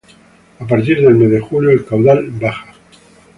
A partir del mes de julio, el caudal baja.